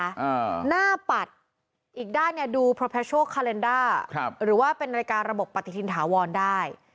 อ่าหน้าปัดอีกด้านเนี่ยดูครับหรือว่าเป็นรายการระบบปฏิทินถาวรได้